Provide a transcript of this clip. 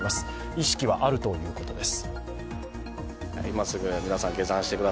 意識はあるということです。